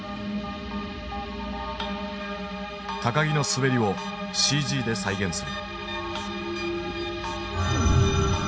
木の滑りをＣＧで再現する。